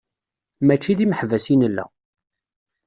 Mačči d imeḥbas i nella.